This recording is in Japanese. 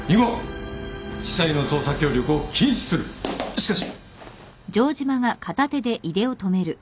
しかし。